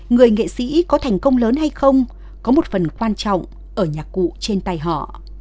người nghệ sĩ có thành công lớn hay không có một phần quan trọng ở nhạc cụ trên tay họ